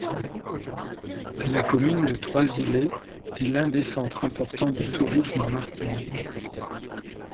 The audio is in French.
La commune de Trois-Îlets est l'un des centres importants du tourisme en Martinique.